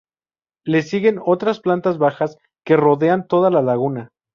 Le siguen otras plantas bajas que rodean toda la laguna.